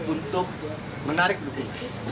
untuk menarik dukungan